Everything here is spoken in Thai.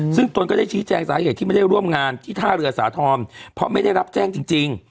ซึ่งตนก็ได้ชี้แจงสาเหตุที่ไม่ได้ร่วมงานที่ท่าเรือสาธรณ์เพราะไม่ได้รับแจ้งจริง